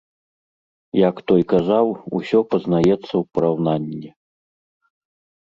Як той казаў, усё пазнаецца ў параўнанні.